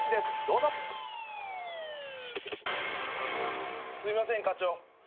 すいません課長。